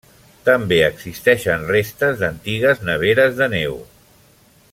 També existeixen restes d'antigues neveres de neu.